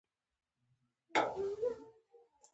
افغانستان زما وطن دی.